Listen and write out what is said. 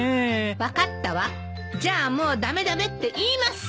分かったわじゃあもう駄目駄目って言いません！